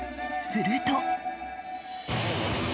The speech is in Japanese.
すると。